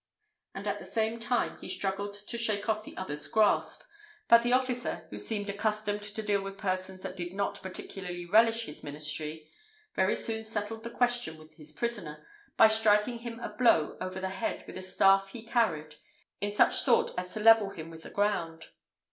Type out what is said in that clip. And at the same time he struggled to shake off the other's grasp; but the officer, who seemed accustomed to deal with persons that did not particularly relish his ministry, very soon settled the question with his prisoner, by striking him a blow over the head with a staff he carried, in such sort as to level him with the ground.